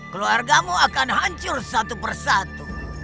keluargamu akan hancur satu persatu